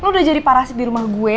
lo udah jadi parasit di rumah gue